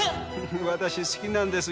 私、好きなんです。